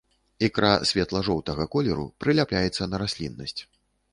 Ікра светла-жоўтага колеру, прыляпляецца на расліннасць.